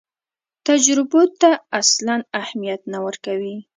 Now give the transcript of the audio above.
تجربو ته اصلاً اهمیت نه ورکوي.